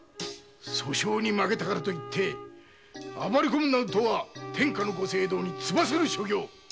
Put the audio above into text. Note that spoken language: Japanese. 訴訟に負けたからといって暴れこむとは天下のご政道にツバする所業。